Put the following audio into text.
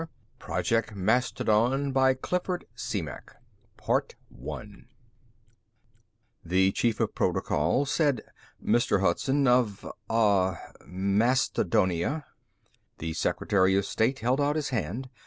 ] PROJECT MASTODON By Clifford D. Simak The chief of protocol said, "Mr. Hudson of ah Mastodonia." The secretary of state held out his hand.